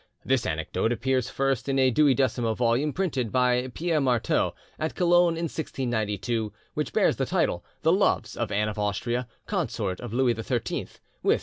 This anecdote appears first in a duodecimo volume printed by Pierre Marteau at Cologne in 1692, and which bears the title, 'The Loves of Anne of Austria, Consort of Louis XIII, with M.